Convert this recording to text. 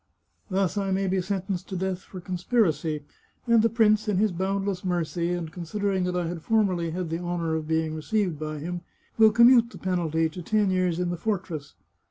Thus I may be sentenced to death for conspir acy, and the prince, in his boundless mercy, and consider ing that I had formerly had the honour of being received by him, will commute the penalty to ten years in the fortress.